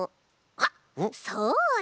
あっそうだ！